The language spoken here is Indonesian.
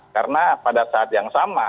karena pada saat yang sama